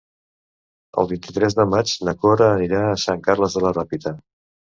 El vint-i-tres de maig na Cora anirà a Sant Carles de la Ràpita.